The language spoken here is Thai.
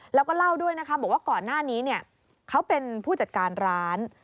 แล้วก็เล่าด้วยนะคะบอกว่าก่อนหน้านี้เขาเป็นผู้จัดการร้าน